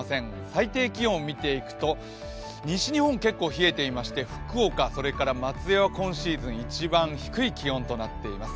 最低気温を見ていくと、西日本、結構冷えていまして福岡、そして松江は今シーズン一番低い気温となっています。